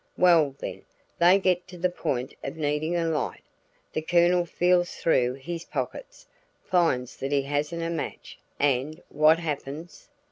Well, then, they get to the point of needing a light. The Colonel feels through his pockets, finds that he hasn't a match and what happens?"